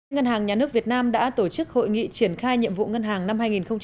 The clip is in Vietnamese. ngân hàng nhà nước việt nam đã tổ chức hội nghị triển khai nhiệm vụ ngân hàng năm hai nghìn hai mươi